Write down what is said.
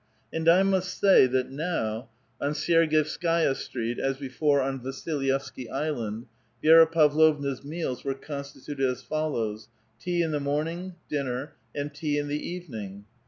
And I must say that now, on Syergievskaia Street as before on Vasilyevsky Island, Vi6ra Pavlovna's meals were constituted as follows : tea in the morning, dinner, and tea in the evening.